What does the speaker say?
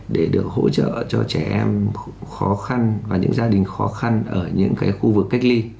để được hỗ trợ cho trẻ em khó khăn và những gia đình khó khăn ở những khu vực cách ly